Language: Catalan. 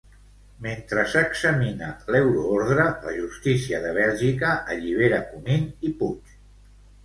Mentre s'examina l'euroordre, la justícia de Bèlgica allibera Comín i Puig.